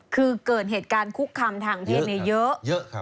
คือเกิดเหตุการณ์คุกคำทางเพศเยอะ